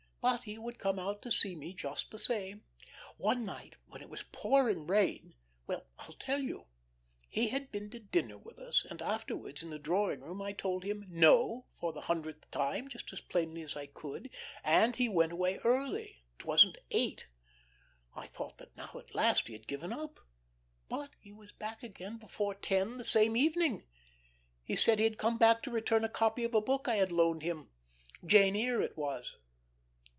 But he would come out to see me just the same. One night, when it was pouring rain Well, I'll tell you. He had been to dinner with us, and afterwards, in the drawing room, I told him 'no' for the hundredth time just as plainly as I could, and he went away early it wasn't eight. I thought that now at last he had given up. But he was back again before ten the same evening. He said he had come back to return a copy of a book I had loaned him 'Jane Eyre' it was.